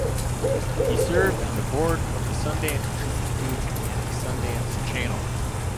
He served on the Board of the Sundance Institute and the Sundance Channel.